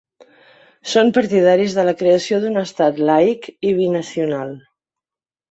Són partidaris de la creació d'un estat laic i binacional.